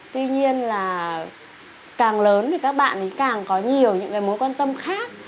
tuy nhiên là càng lớn thì các bạn càng có nhiều những mối quan tâm khác